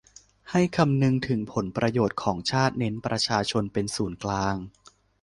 ให้คำนึงถึงผลประโยชน์ของชาติ เน้นประชาชนเป็นศูนย์กลาง